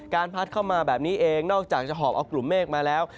พัดเข้ามาแบบนี้เองนอกจากจะหอบเอากลุ่มเมฆมาแล้ว